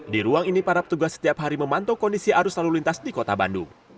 di ruang ini para petugas setiap hari memantau kondisi arus lalu lintas di kota bandung